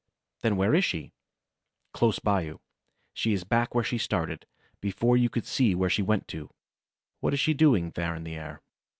Then where is she? Close by you. She is back where she started, before you could see where she went to. What is she doing, there in the air?